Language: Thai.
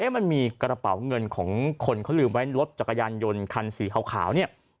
มันมีกระเป๋าเงินของคนเขาลืมไว้รถจักรยานยนต์คันสีขาวเนี่ย